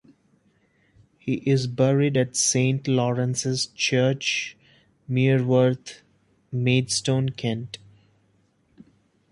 He is buried at Saint Lawrence's Church Mereworth, Maidstone, Kent.